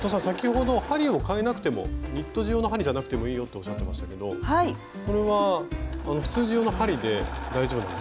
先ほど針をかえなくてもニット地用の針じゃなくてもいいよとおっしゃってましたけどこれは普通地用の針で大丈夫なんですか。